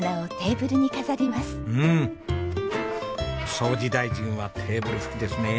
掃除大臣はテーブル拭きですねえ。